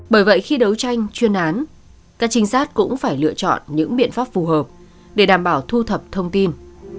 bởi vậy khi đấu tranh chuyên án các trinh sát cũng phải lựa chọn những biện pháp phù hợp để đảm bảo thu thập thông tin